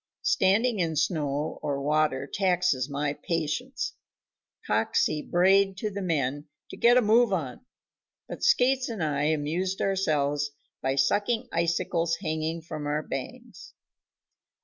Standing in snow or water taxes my patience. Coxey brayed to the men to "get a move on," but Skates and I amused ourselves by sucking icicles hanging from our bangs.